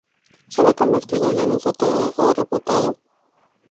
Se había convertido ya en un fotógrafo reputado.